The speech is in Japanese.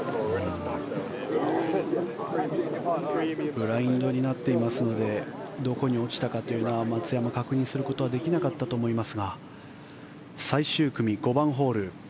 ブラインドになっていますのでどこに落ちたかというのは松山、確認することはできなかったと思いますが最終組、５番ホール。